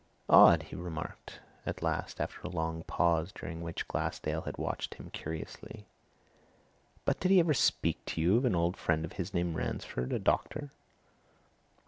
"Odd!" he remarked at last after a long pause during which Glassdale had watched him curiously. "But, did he ever speak to you of an old friend of his named Ransford a doctor?"